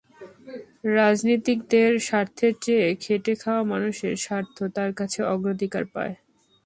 রাজনীতিকদের স্বার্থের চেয়ে খেটে খাওয়া মানুষের স্বার্থ তাঁর কাছে অগ্রাধিকার পায়।